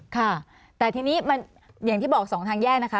ค่ะแต่ทีนี้มันอย่างที่บอกสองทางแยกนะคะ